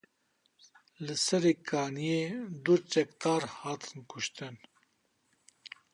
Li Serê Kaniyê du çekdar hatin kuştin.